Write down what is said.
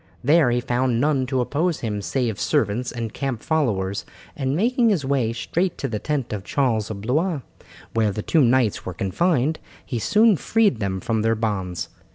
There he found none to oppose him save servants and camp followers, and making his way straight to the tent of Charles of Blois, where the two knights were confined, he soon freed them from their bonds.